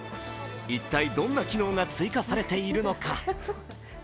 一体どんな機能が追加されているのか。